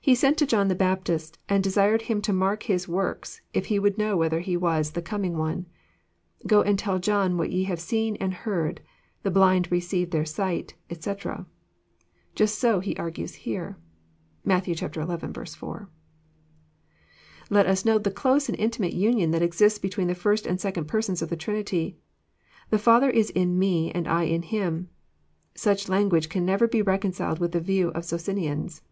He sent to John the Baptist, and desired him to mark His works, if He would know whether He was " the coming One," —" Go and tell John what ye have seen and heard, the blind receive their sight," etc. Just so He argues here. (Matt. xi. 4.) Let us note the close and intimate union that exists between the First and Second Persons of the Trinity :<* The Father is in Me, and I in Him." Such language can never be reconciled with the views of Socinians.